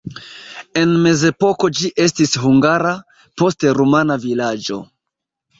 En mezepoko ĝi estis hungara, poste rumana vilaĝo.